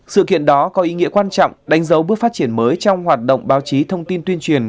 sự kiện đó có ý nghĩa quan trọng đánh dấu bước phát triển mới trong hoạt động báo chí thông tin tuyên truyền